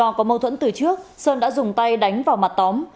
trước đó có mâu thuẫn từ trước sơn đã dùng tay đánh vào mặt tóm